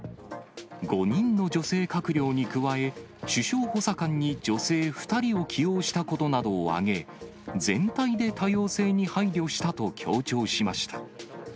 ５人の女性閣僚に加え、首相補佐官に女性２人を起用したことなどを挙げ、全体で多様性に配慮したと強調しました。